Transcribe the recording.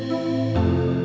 sampai jumpa lagi mams